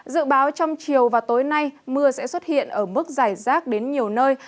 dự báo trong chiều và tối nay mưa sẽ xuất hiện ở mức dài rác đến nhiều nơi